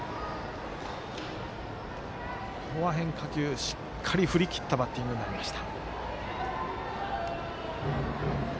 ここは変化球しっかりと振り切ったバッティングになりました。